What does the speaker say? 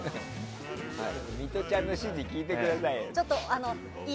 ミトちゃんの指示聞いてください。